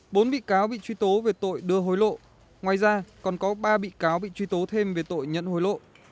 bốn bị cáo bị truy tố về tội đưa hối lộ ngoài ra còn có ba bị cáo bị truy tố thêm về tội nhận hối lộ